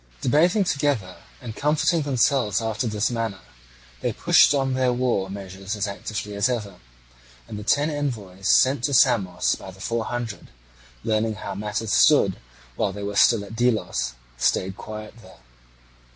Debating together and comforting themselves after this manner, they pushed on their war measures as actively as ever; and the ten envoys sent to Samos by the Four Hundred, learning how matters stood while they were still at Delos, stayed quiet there.